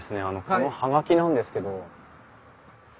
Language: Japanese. この葉書なんですけど。